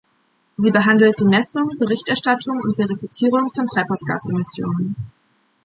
Sie behandelt die Messung, Berichterstattung und Verifizierung von Treibhausgasemissionen.